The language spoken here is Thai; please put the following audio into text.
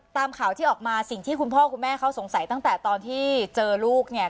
ตามข่าวที่ออกมาสิ่งที่คุณพ่อคุณแม่เขาสงสัยตั้งแต่ตอนที่เจอลูกเนี่ย